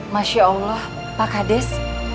masya allah pak hades